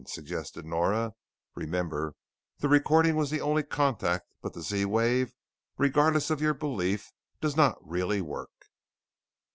suggested Nora. "Remember, the recording was the only contact but the Z wave regardless of your belief does not really work."